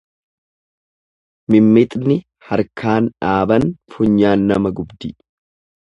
Mimmixni harkaan dhaaban funyaan nama gubdi.